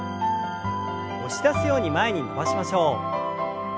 押し出すように前に伸ばしましょう。